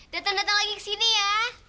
datang datang lagi kesini ya